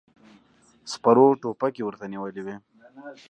سپرو ټوپکې ورته نيولې وې.